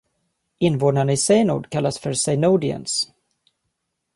Invånarna i Seynod kallas ”seynodiens”.